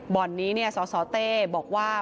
บ่อนนี้เนี่ยสสเต้บอกว่า